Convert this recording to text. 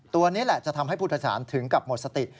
ตัวนี้แหละจะทำให้พุทธศาลถึงกับหมดสติ